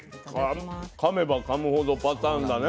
かめばかむほどパターンだね